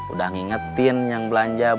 udah ngingetin yang belanjanya